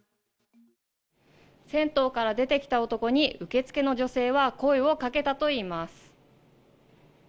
銭湯から出てきた男に、受付の女性は声をかけたといいます。